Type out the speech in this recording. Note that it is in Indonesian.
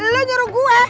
lo nyuruh gue